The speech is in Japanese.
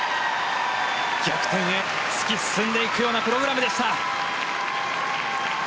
逆転へ突き進んでいくようなプログラムでした。